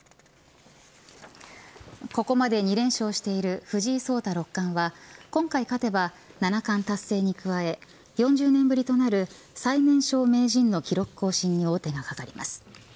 ここまで２連勝している藤井聡太六冠は今回勝てば七冠達成に加え４０年ぶりとなる最年少名人の記録更新に大手がかかります。